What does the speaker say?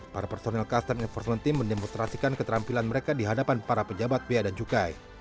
para personel custom enforcement team mendemonstrasikan keterampilan mereka di hadapan para pejabat bea dan cukai